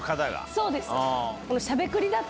そうです。